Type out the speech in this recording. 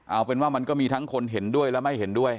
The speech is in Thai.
เอาเป็นว่ามันก็มีทั้งคนเห็นด้วยและไม่เห็นด้วย